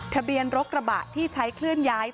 ทะเบียนรถกระบะที่ใช้เคลื่อนย้าย